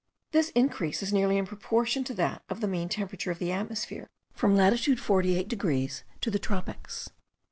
This increase is nearly in proportion to that of the mean temperature of the atmosphere, from latitude 48 degrees to the tropics.